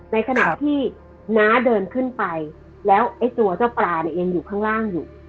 ในขณะที่น้าเดินขึ้นไปแล้วไอ้ตัวเจ้าปลาเนี่ยยังอยู่ข้างล่างอยู่